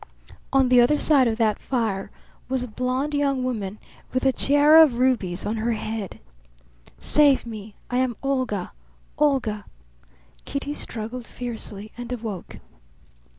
On the other side of that fire was a blonde young woman with a tiara of rubies on her head. "Save me! I am Olga, Olga!" Kitty struggled fiercely and awoke.